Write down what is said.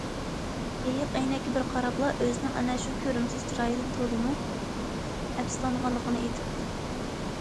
ئېيىق ئەينەككە بىر قاراپلا، ئۆزىنىڭ ئەنە شۇ كۆرۈمسىز چىرايىدىن تولىمۇ ئەپسۇسلانغانلىقىنى ئېيتىپتۇ.